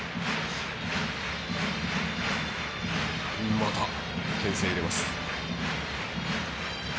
またけん制を入れます。